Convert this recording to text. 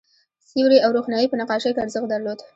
سیوری او روښنايي په نقاشۍ کې ارزښت درلود.